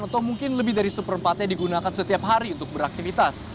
atau mungkin lebih dari seperempatnya digunakan setiap hari untuk beraktivitas